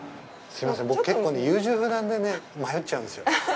すいません、僕、結構、優柔不断でね、迷っちゃうんですよ。